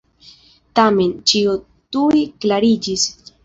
Tamen, ĉio tuj klariĝis.